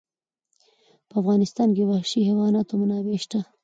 په افغانستان کې د وحشي حیواناتو منابع شته.